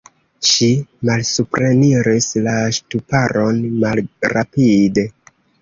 Ŝi malsupreniris la ŝtuparon malrapide.